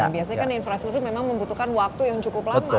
biasanya kan infrastruktur memang membutuhkan waktu yang cukup lama